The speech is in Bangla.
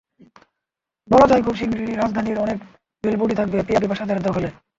বলা যায়, খুব শিগগিরই রাজধানীর অনেক বিলবোর্ডই থাকবে পিয়া বিপাশার দখলে।